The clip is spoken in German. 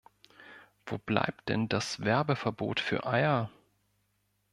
Wo bleibt denn das Werbeverbot für Eier?